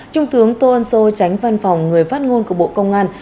trung tướng tôn sô tránh văn phòng người phát ngôn của bộ công an